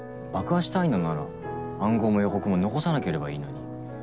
爆破したいのなら暗号も予告も残さなければいいのに。